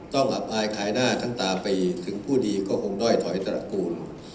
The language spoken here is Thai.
อับอายขายหน้าทั้งตาไปถึงผู้ดีก็คงด้อยถอยตระกูล